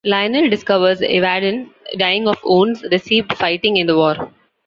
Lionel discovers Evadne, dying of wounds received fighting in the war.